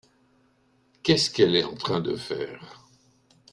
Qu’est-ce qu’elle est en train de faire ?